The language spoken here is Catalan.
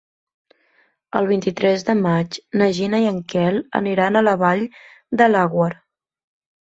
El vint-i-tres de maig na Gina i en Quel aniran a la Vall de Laguar.